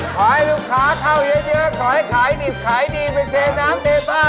ขอให้ลูกค้าเข้าเยอะขอให้ขายดีไปเทน้ำเทป้าด้วยเถอะ